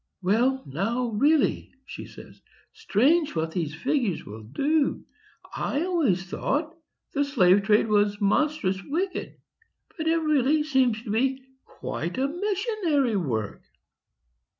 "Well, now, really," says she, "strange what these figures will do! I always thought the slave trade was monstrous wicked. But it really, seems to be quite a missionary work."